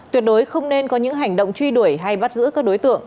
tuyệt đối không nên có những hành động truy đuổi hay bắt giữ các đối tượng